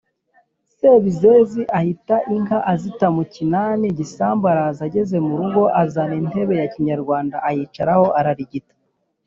Sebizeze ahita inka azita mu kinani(igisambu) araza, ageze mu rugo azana intebe ya Kinyarwanda ayicaraho ararigita.